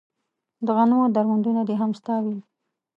د غنمو درمندونه دې هم ستا وي